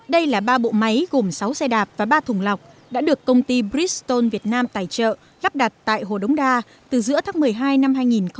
đây là ba bộ máy gồm sáu xe đạp và ba thùng lọc đã được công ty briston việt nam tài trợ lắp đặt tại hồ đống đa từ giữa tháng một mươi hai năm hai nghìn một mươi tám